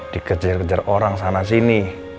dikejar kejar orang sana sini